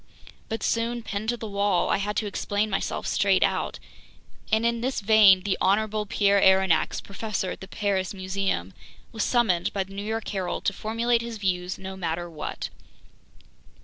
But soon, pinned to the wall, I had to explain myself straight out. And in this vein, "the honorable Pierre Aronnax, Professor at the Paris Museum," was summoned by The New York Herald to formulate his views no matter what.